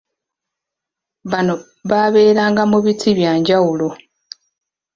Bano baabeeranga mu biti byanjawulo.